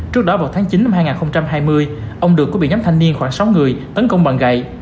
trước đó vào tháng chín năm hai nghìn hai mươi ông được có bị nhóm thanh niên khoảng sáu người tấn công bằng gậy